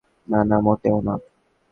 না না মোটেও না।